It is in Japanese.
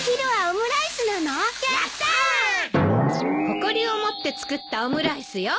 誇りを持って作ったオムライスよ。